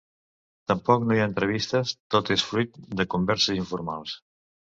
Tampoc no hi ha entrevistes: tot és fruit de converses informals.